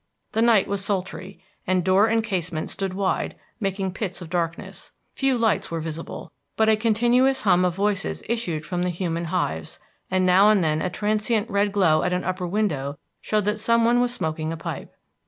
The night was sultry, and door and casement stood wide, making pits of darkness. Few lights were visible, but a continuous hum of voices issued from the human hives, and now and then a transient red glow at an upper window showed that some one was smoking a pipe.